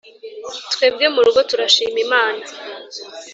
twebwe murugo turashima imana